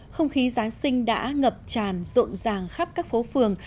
không khí giáng sinh đã ngập tràn rộn ràng khắp các phố phường